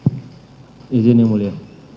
tentu izin yang mulia